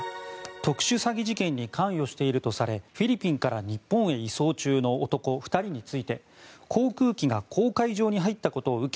特殊詐欺事件に関与しているとされフィリピンから日本へ移送中の男２人について航空機が公海上に入ったことを受け